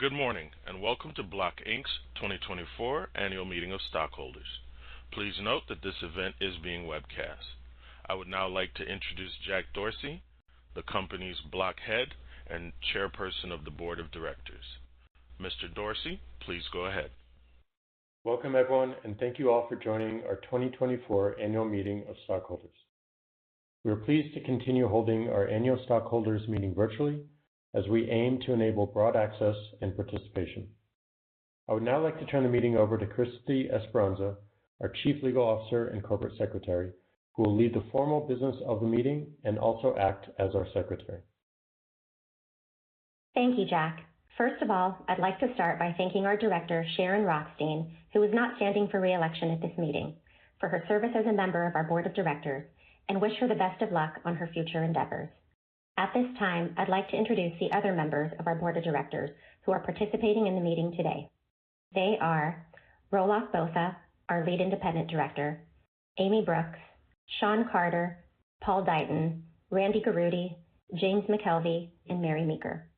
Good morning, and welcome to Block, Inc.'s 2024 annual meeting of Stockholders. Please note that this event is being webcast. I would now like to introduce Jack Dorsey, the company's Block Head and Chairperson of the Board of Directors. Mr. Dorsey, please go ahead. Welcome, everyone, and thank you all for joining our 2024 Annual Meeting of Stockholders. We are pleased to continue holding our annual stockholders meeting virtually as we aim to enable broad access and participation. I would now like to turn the meeting over to Chrysty Esperanza, our Chief Legal Officer and Corporate Secretary, who will lead the formal business of the meeting and also act as our secretary. Thank you, Jack. First of all, I'd like to start by thanking our director, Sharon Rothstein, who is not standing for re-election at this meeting, for her service as a member of our board of directors, and wish her the best of luck on her future endeavors. At this time, I'd like to introduce the other members of our board of directors who are participating in the meeting today. They are Roelof Botha, our lead independent director, Amy Brooks, Shawn Carter, Paul Deighton, Randy Garutti, James McKelvey, and Mary Meeker.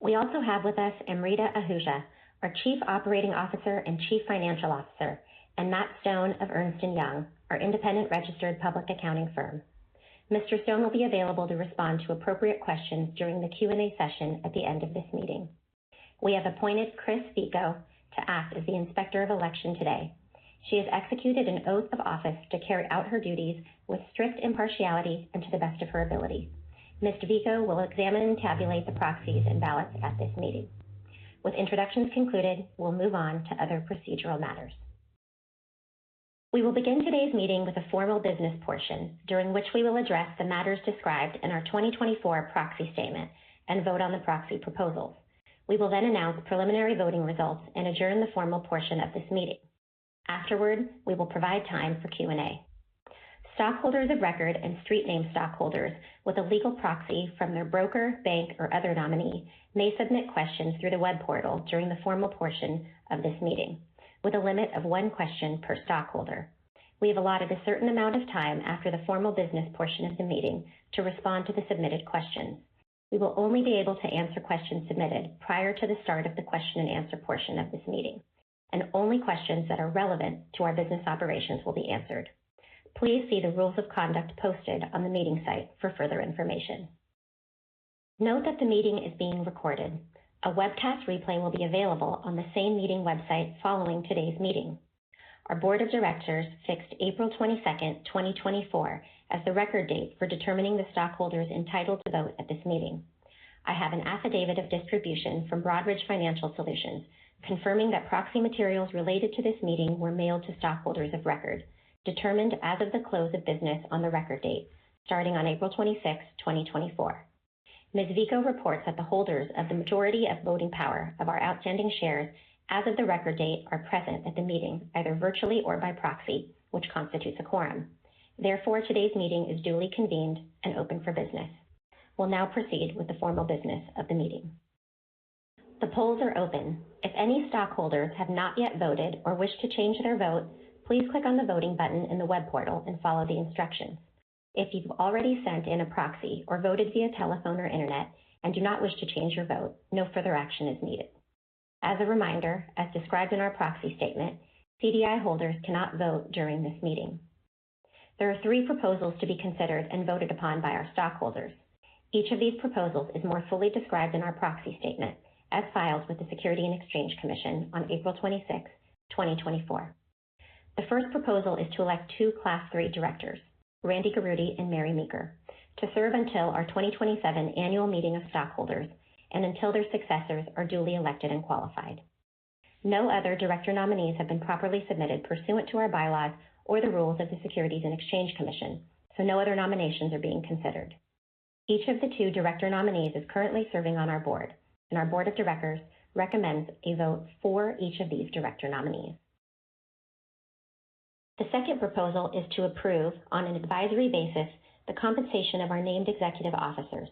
We also have with us Amrita Ahuja, our Chief Operating Officer and Chief Financial Officer, and Matt Stone of Ernst & Young, our independent registered public accounting firm. Mr. Stone will be available to respond to appropriate questions during the Q&A session at the end of this meeting. We have appointed Kris Veaco to act as the Inspector of Election today. She has executed an oath of office to carry out her duties with strict impartiality and to the best of her ability. Ms. Veaco will examine and tabulate the proxies and ballots at this meeting. With introductions concluded, we'll move on to other procedural matters. We will begin today's meeting with a formal business portion, during which we will address the matters described in our 2024 proxy statement and vote on the proxy proposals. We will then announce preliminary voting results and adjourn the formal portion of this meeting. Afterward, we will provide time for Q&A. Stockholders of record and street name stockholders with a legal proxy from their broker, bank, or other nominee may submit questions through the web portal during the formal portion of this meeting, with a limit of one question per stockholder. We have allotted a certain amount of time after the formal business portion of the meeting to respond to the submitted questions. We will only be able to answer questions submitted prior to the start of the question and answer portion of this meeting, and only questions that are relevant to our business operations will be answered. Please see the rules of conduct posted on the meeting site for further information. Note that the meeting is being recorded. A webcast replay will be available on the same meeting website following today's meeting. Our board of directors fixed April 22, 2024, as the record date for determining the stockholders entitled to vote at this meeting. I have an affidavit of distribution from Broadridge Financial Solutions, confirming that proxy materials related to this meeting were mailed to stockholders of record, determined as of the close of business on the record date, starting on April 26th, 2024. Ms. Veaco reports that the holders of the majority of voting power of our outstanding shares as of the record date are present at the meeting, either virtually or by proxy, which constitutes a quorum. Therefore, today's meeting is duly convened and open for business. We'll now proceed with the formal business of the meeting. The polls are open. If any stockholders have not yet voted or wish to change their vote, please click on the voting button in the web portal and follow the instructions. If you've already sent in a proxy or voted via telephone or internet and do not wish to change your vote, no further action is needed. As a reminder, as described in our proxy statement, CDI holders cannot vote during this meeting. There are three proposals to be considered and voted upon by our stockholders. Each of these proposals is more fully described in our proxy statement, as filed with the Securities and Exchange Commission on April 26th, 2024. The first proposal is to elect two Class III directors, Randy Garutti and Mary Meeker, to serve until our 2027 annual meeting of stockholders and until their successors are duly elected and qualified. No other director nominees have been properly submitted pursuant to our bylaws or the rules of the Securities and Exchange Commission, so no other nominations are being considered. Each of the two director nominees is currently serving on our board, and our board of directors recommends a vote for each of these director nominees. The second proposal is to approve, on an advisory basis, the compensation of our named executive officers.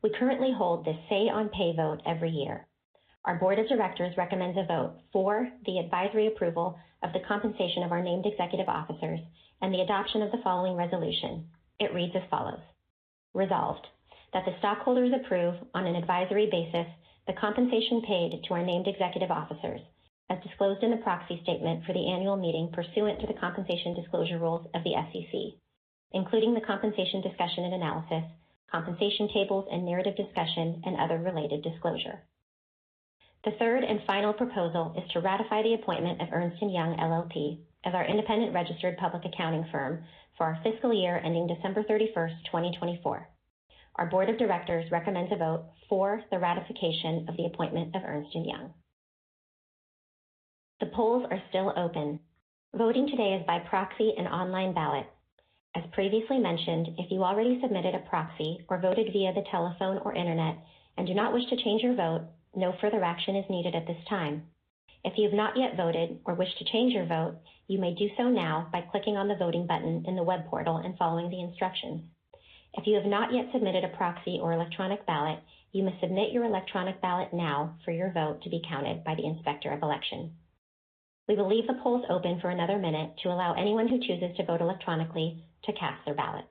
We currently hold this say on pay vote every year. Our board of directors recommends a vote for the advisory approval of the compensation of our named executive officers and the adoption of the following resolution. It reads as follows: Resolved, that the stockholders approve on an advisory basis, the compensation paid to our named executive officers, as disclosed in the proxy statement for the annual meeting pursuant to the compensation disclosure rules of the SEC, including the compensation discussion and analysis, compensation tables and narrative discussion, and other related disclosure. The third and final proposal is to ratify the appointment of Ernst & Young LLP as our independent registered public accounting firm for our fiscal year ending December 31st, 2024. Our board of directors recommends a vote for the ratification of the appointment of Ernst & Young LLP. The polls are still open. Voting today is by proxy and online ballot. As previously mentioned, if you already submitted a proxy or voted via the telephone or internet and do not wish to change your vote, no further action is needed at this time. If you have not yet voted or wish to change your vote, you may do so now by clicking on the voting button in the web portal and following the instructions. If you have not yet submitted a proxy or electronic ballot, you must submit your electronic ballot now for your vote to be counted by the Inspector of Election. We will leave the polls open for another minute to allow anyone who chooses to vote electronically to cast their ballots....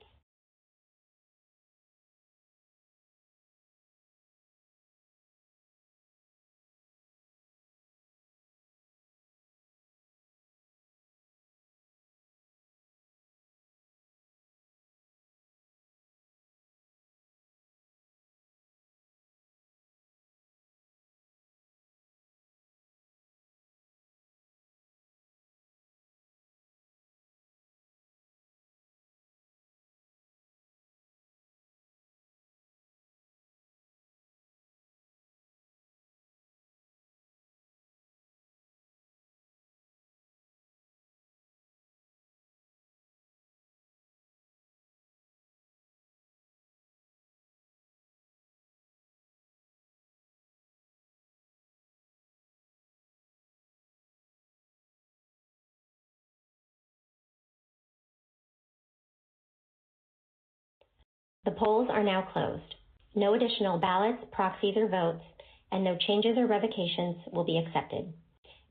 The polls are now closed. No additional ballots, proxies, or votes, and no changes or revocations will be accepted.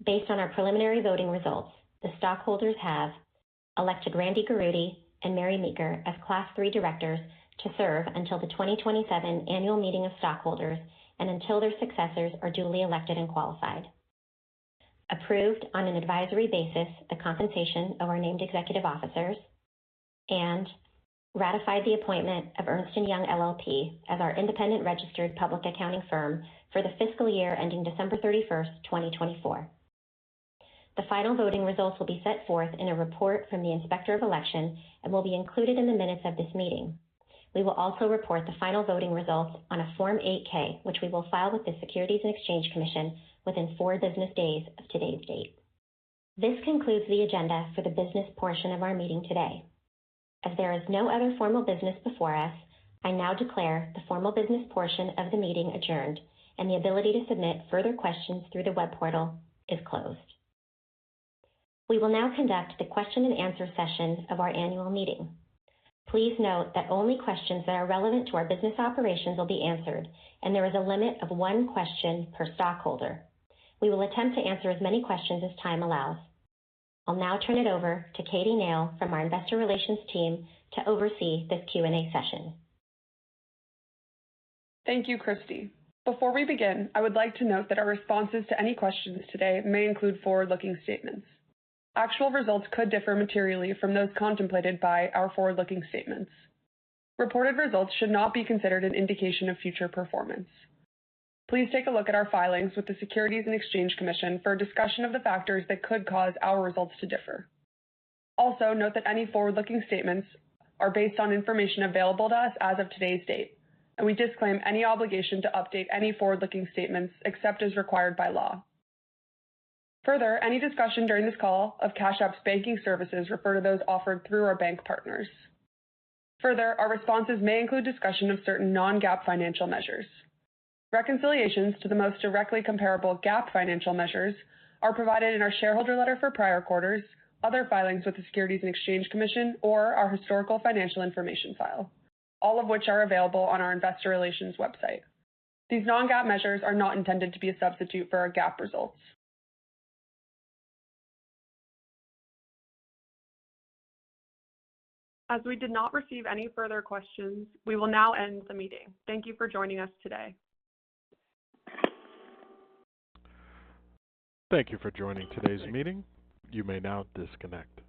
Based on our preliminary voting results, the stockholders have elected Randy Garutti and Mary Meeker as Class IIIdirectors to serve until the 2027 annual meeting of stockholders and until their successors are duly elected and qualified. Approved on an advisory basis, the compensation of our named executive officers, and ratified the appointment of Ernst & Young LLP as our independent registered public accounting firm for the fiscal year ending December 31, 2024. The final voting results will be set forth in a report from the Inspector of Election and will be included in the minutes of this meeting. We will also report the final voting results on a Form 8-K, which we will file with the Securities and Exchange Commission within four business days of today's date. This concludes the agenda for the business portion of our meeting today. As there is no other formal business before us, I now declare the formal business portion of the meeting adjourned, and the ability to submit further questions through the web portal is closed. We will now conduct the question and answer session of our annual meeting. Please note that only questions that are relevant to our business operations will be answered, and there is a limit of one question per stockholder. We will attempt to answer as many questions as time allows. I'll now turn it over to Katie Nale from our investor relations team to oversee this Q&A session. Thank you, Chrysty. Before we begin, I would like to note that our responses to any questions today may include forward-looking statements. Actual results could differ materially from those contemplated by our forward-looking statements. Reported results should not be considered an indication of future performance. Please take a look at our filings with the Securities and Exchange Commission for a discussion of the factors that could cause our results to differ. Also, note that any forward-looking statements are based on information available to us as of today's date, and we disclaim any obligation to update any forward-looking statements except as required by law. Further, any discussion during this call of Cash App's banking services refer to those offered through our bank partners. Further, our responses may include discussion of certain non-GAAP financial measures. Reconciliations to the most directly comparable GAAP financial measures are provided in our shareholder letter for prior quarters, other filings with the Securities and Exchange Commission or our historical financial information file, all of which are available on our investor relations website. These non-GAAP measures are not intended to be a substitute for our GAAP results. As we did not receive any further questions, we will now end the meeting. Thank you for joining us today. Thank you for joining today's meeting. You may now disconnect.